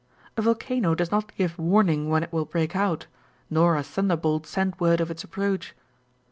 A volcano does not give warning when it will break out, nor a thunderbolt send word of its approach.